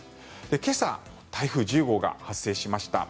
今朝台風１０号が発生しました。